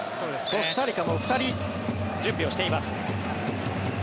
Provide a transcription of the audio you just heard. コスタリカも２人準備をしています。